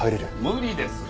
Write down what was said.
無理です。